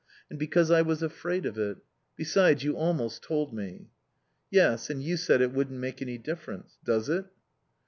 And because I was afraid of it. Besides, you almost told me." "Yes, and you said it wouldn't make any difference. Does it?"